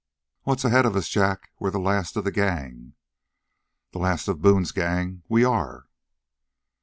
"What's ahead of us, Jack? We're the last of the gang?" "The last of Boone's gang. We are."